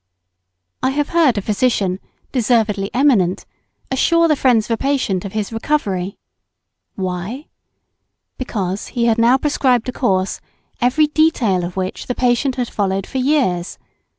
I have heard a physician, deservedly eminent, assure the friends of a patient of his recovery. Why? Because he had now prescribed a course, every detail of which the patient had followed for years.